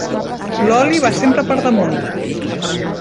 L'oli va sempre per damunt.